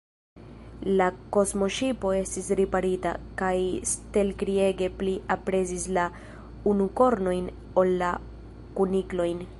La kosmoŝipo estis riparita, kaj Stelkri ege pli aprezis la unukornojn ol la kuniklojn.